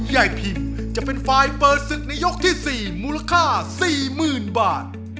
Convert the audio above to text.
พิมจะเป็นฝ่ายเปิดศึกในยกที่๔มูลค่า๔๐๐๐บาท